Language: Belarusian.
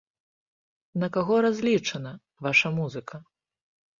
На каго разлічана ваша музыка?